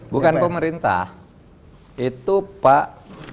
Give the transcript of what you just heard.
bukan pemerintah itu pak